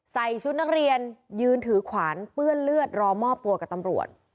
ใส่ชุดนักเรียนยืนถือขวานเปื้อนเลือดรอมอบตัวกับตำรวจ